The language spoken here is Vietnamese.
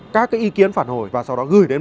các ý kiến phản hồi và sau đó gửi đến